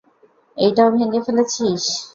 এইটাও ভেঙ্গে ফেলেছিস?